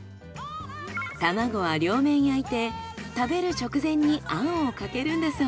玉子は両面焼いて食べる直前にあんをかけるんだそう。